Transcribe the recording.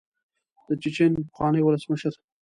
د چیچن پخواني ولسمشر.